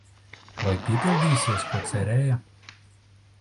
Vai piepildīsies, ko cerēja?